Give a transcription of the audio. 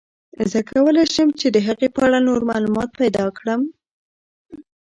زه کولای شم چې د هغې په اړه نور معلومات پیدا کړم.